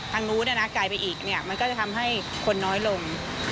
ทางนู้นไกลไปอีกมันก็จะทำให้คนน้อยลง